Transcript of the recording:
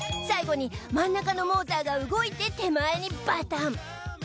最後に真ん中のモーターが動いて手前にバタン。